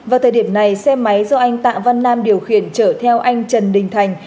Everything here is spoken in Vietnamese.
vào thời điểm này xe máy do anh tạ văn nam điều khiển chở theo anh trần đình thành